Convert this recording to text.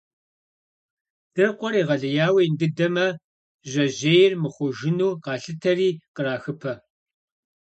Дыркъуэр егъэлеяуэ ин дыдэмэ, жьэжьейр мыхъужыну къалъытэри, кърахыпэ.